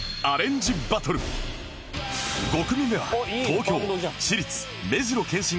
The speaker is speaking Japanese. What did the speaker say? ５組目は